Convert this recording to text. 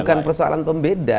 bukan persoalan pembeda